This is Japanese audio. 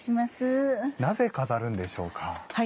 なぜ、飾るんでしょうか？